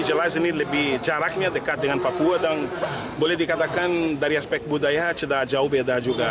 jelas ini lebih jaraknya dekat dengan papua dan boleh dikatakan dari aspek budaya sudah jauh beda juga